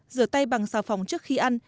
rửa tay bằng xào phòng trước khi ăn